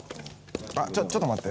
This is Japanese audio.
あっちょちょっと待って。